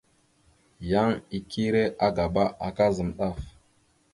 Yan ikire agaba, aka zam daf.